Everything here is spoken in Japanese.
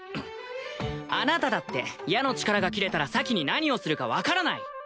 あなただって矢の力が切れたら咲に何をするか分からない